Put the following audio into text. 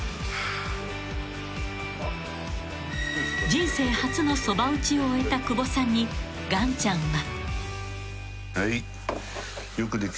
［人生初のそば打ちを終えた久保さんにがんちゃんは］